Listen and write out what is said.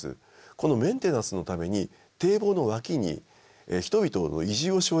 このメンテナンスのために堤防の脇に人々の移住を奨励するんです。